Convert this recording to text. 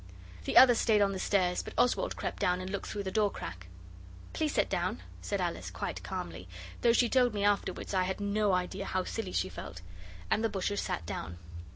The others stayed on the stairs, but Oswald crept down and looked through the door crack. 'Please sit down,' said Alice quite calmly, though she told me afterwards I had no idea how silly she felt. And the butcher sat down.